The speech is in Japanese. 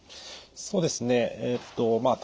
そうですねまあ